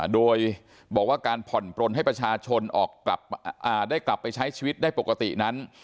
โดยบอกว่าการผ่อนปลนให้ประชาชนได้กลับไปใช้ชีวิตได้ปกตินั้น